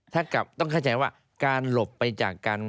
ถ้ากลับต้องเข้าใจว่าการหลบไปจากการ